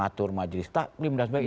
atur majelis taklim dan sebagainya